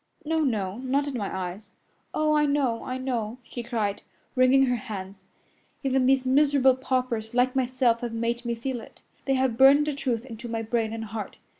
"No, no! Not in my eyes." "Oh, I know, I know!" she cried, wringing her hands. "Even these miserable paupers like myself have made me feel it. They have burned the truth into my brain and heart.